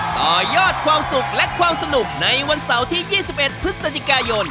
ต่อยอดความสุขและความสนุกในวันเสาร์ที่๒๑พฤศจิกายน